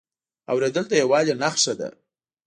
اورېدل د یووالي نښه ده.